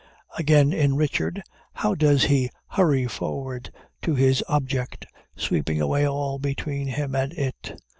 Again, in Richard, how does he hurry forward to his object, sweeping away all between him and it!